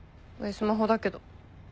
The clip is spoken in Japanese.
スマホだけど。